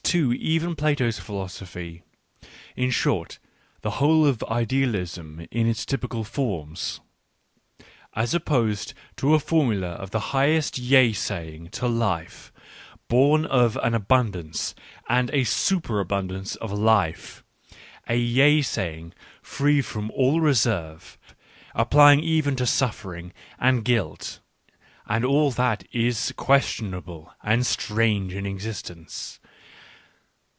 too even Plato's philosophy — in short, the whole of idealism in its typical forms), as opposed to a formula of the highest yea saying to life, born of an abundance and a superabundance of life — a ' yea saying free from all reserve, applying even to suffering, and guilt, and all that is questionable and strange in existence.